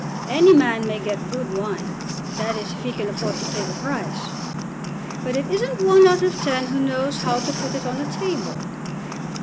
Any man may get good wine, that is if he can afford to pay the price, but it isn't one out of ten who knows how to put it on the table."